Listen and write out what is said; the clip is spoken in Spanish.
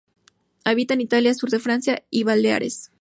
Habita en Italia, sur de Francia y Baleares.